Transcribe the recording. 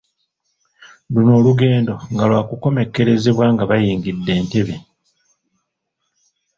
Luno olugeendo nga lwakukomekkerezebwa nga bayingidde e Ntebe.